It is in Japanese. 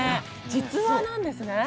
実話なんですね。